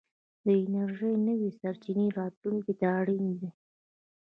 د انرژۍ نوې سرچينې راتلونکي ته اړين دي.